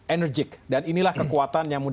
enerjik dan inilah kekuatan yang mudah